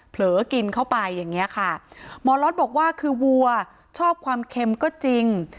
เผลอกินเข้าไปอย่างเงี้ยค่ะหมอล็อตบอกว่าคือวัวชอบความเค็มก็จริง